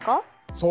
そう。